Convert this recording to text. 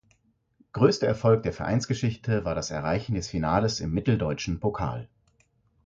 Größter Erfolg der Vereinsgeschichte war das Erreichen des Finales im Mitteldeutschen Pokal.